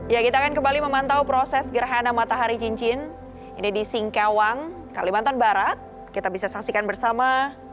ya kita akan kembali memantau proses gerhana matahari cincin ini di singkawang kalimantan barat kita bisa saksikan bersama